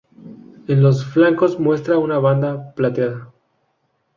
En los flancos muestra una banda plateada.